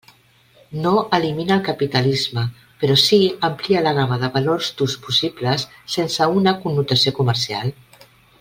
No elimina el capitalisme, però si amplia la gamma de valors d'ús possibles sense una connotació comercial.